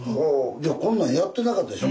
いやこんなんやってなかったでしょ？